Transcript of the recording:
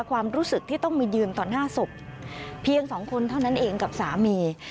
ความรู้สึกที่ต้องมายืนต่อหน้าศพเพียงสองคนเท่านั้นเองกับสามี